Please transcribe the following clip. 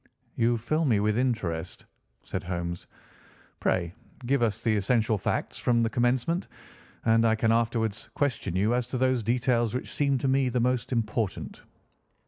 "You fill me with interest," said Holmes. "Pray give us the essential facts from the commencement, and I can afterwards question you as to those details which seem to me to be most important."